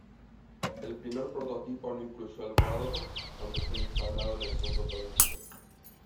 El primer prototipo no incluyó el radomo, aunque fue instalado en el segundo prototipo.